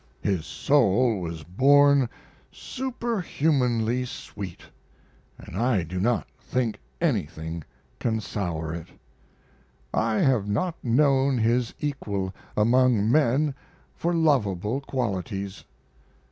His soul was born superhumanly sweet, and I do not think anything can sour it. I have not known his equal among men for lovable qualities.